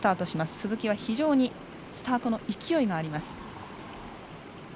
鈴木は非常にスタートの勢いがあります。